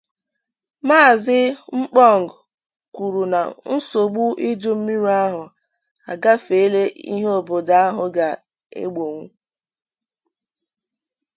Maazị Mkpong kwuru na nsogbu ijummiri ahụ agafeela ihe obodo ahụ ga-egbònwu